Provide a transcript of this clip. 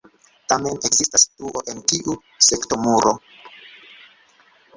Tamen ekzistas truo en tiu sektomuro.